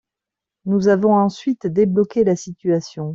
Nous avons ensuite débloqué la situation.